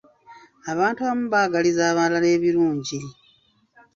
Abantu abamu baagaliza abalala ebirungi.